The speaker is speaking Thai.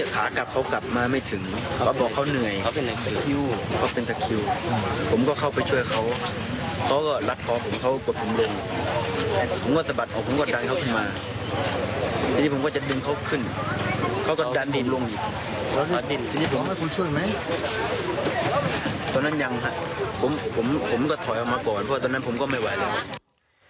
คุณช่วยไหมตอนนั้นยังค่ะผมผมผมก็ถอยออกมาก่อนเพราะตอนนั้นผมก็ไม่ไหวเลย